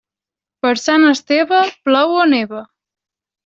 Per Sant Esteve, plou o neva.